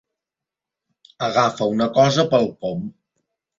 Agafa una cosa pel pom.